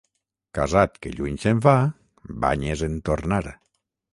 Casat que lluny se'n va, banyes en tornar.